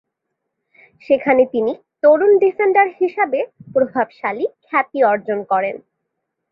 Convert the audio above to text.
সেখানে তিনি তরুণ ডিফেন্ডার হিসাবে প্রভাবশালী খ্যাতি অর্জন করেন।